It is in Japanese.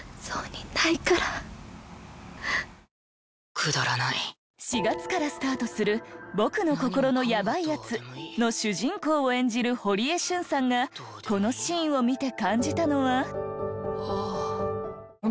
くだらない４月からスタートする『僕の心のヤバイやつ』の主人公を演じる堀江瞬さんがこのシーンを見て感じたのは。